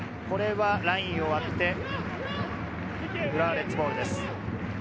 これはラインを割って、浦和レッズボールです。